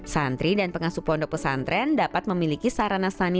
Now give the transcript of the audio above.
santri dan pengasuh pondok pesantren dapat memiliki sarana sanitasi